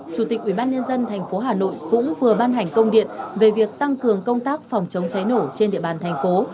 chủ tịch ủy ban nhân dân tp hà nội cũng vừa ban hành công điện về việc tăng cường công tác phòng chống cháy nổ trên địa bàn thành phố